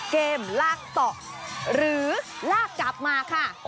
ลากต่อหรือลากกลับมาค่ะ